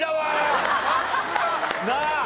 なあ。